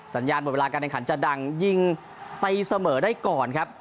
สัญญาณหมดเวลาการแข่งขันจะดังยิงตีเสมอได้ก่อนครับ